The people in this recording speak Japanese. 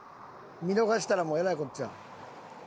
見逃したらもうえらいこっちゃ。